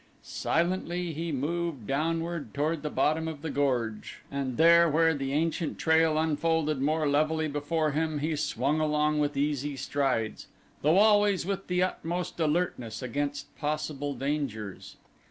Silently he moved downward toward the bottom of the gorge and there where the ancient trail unfolded more levelly before him he swung along with easy strides, though always with the utmost alertness against possible dangers.